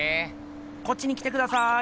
こっちに来てください。